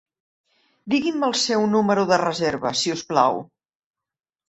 Digui'm el seu número de reserva, si us plau.